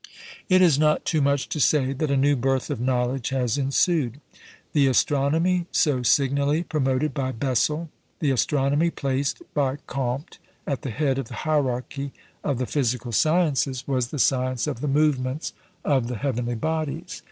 It is not too much to say that a new birth of knowledge has ensued. The astronomy so signally promoted by Bessel the astronomy placed by Comte at the head of the hierarchy of the physical sciences was the science of the movements of the heavenly bodies.